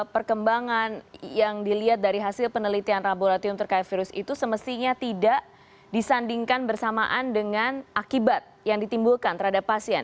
perkembangan yang dilihat dari hasil penelitian laboratorium terkait virus itu semestinya tidak disandingkan bersamaan dengan akibat yang ditimbulkan terhadap pasien